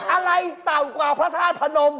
อะไรต่ำกว่าพระธาตุพนม